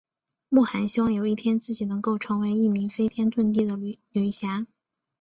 莫涵希望有一天自己能够成为一名飞天遁地的女侠。